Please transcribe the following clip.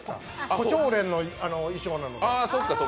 胡蝶蓮の衣装なので。